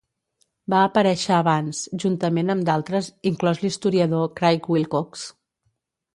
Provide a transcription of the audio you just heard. Va aparèixer abans, juntament amb d'altres, inclòs l'historiador Craig Wilcox.